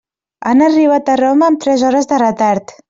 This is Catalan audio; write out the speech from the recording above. Han arribat a Roma amb tres hores de retard.